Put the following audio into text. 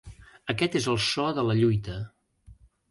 Aquest és el so de la lluita.